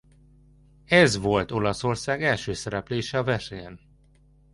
Ez volt Olaszország első szereplése a versenyen.